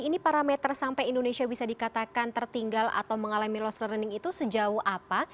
ini parameter sampai indonesia bisa dikatakan tertinggal atau mengalami lost learning itu sejauh apa